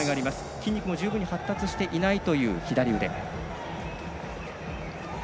筋肉も十分に発達していないという左腕。